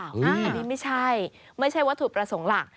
อันนี้ไม่ใช่ไม่ใช่วัตถุประสงค์หลัก